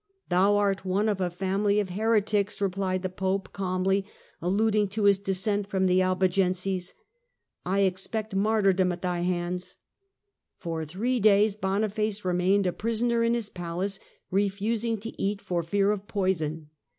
" Thou art one of a family of heretics," replied the Pope calmly, alluding to his descent from the Albigenses, " I expect martyrdom at thy hands." For three days Boniface remained a pris oner in his palace, refusing to eat for fear of poison.